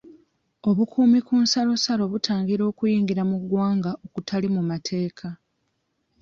Obukuumi ku nsalosalo butangira okuyingira mu ggwanga okutali mu mateeka.